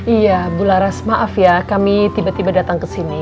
iya bu laras maaf ya kami tiba tiba datang ke sini